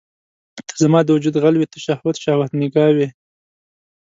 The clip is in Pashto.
ته زما د وجود غل وې ته شهوت، شهوت نګاه وي